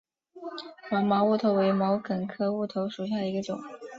黄毛乌头为毛茛科乌头属下的一个种。